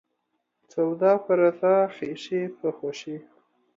سوداپه رضا ، خيښي په خوښي.